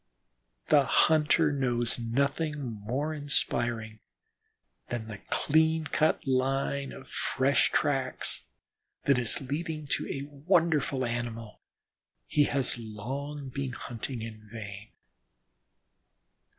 The hunter knows nothing more inspiring than the clean cut line of fresh tracks that is leading to a wonderful animal, he has long been hunting in vain.